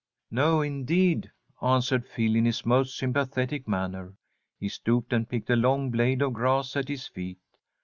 "No, indeed!" answered Phil, in his most sympathetic manner. He stooped and picked a long blade of grass at his feet.